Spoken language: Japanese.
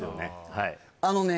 はいあのね